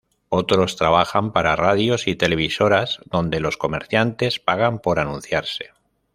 Otros trabajan para radios y televisoras donde los comerciantes pagan por anunciarse.